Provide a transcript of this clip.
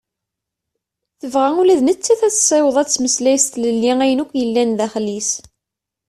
Tebɣa ula d nettat ad tessiweḍ ad temmeslay s tlelli ayen akk yellan daxel-is.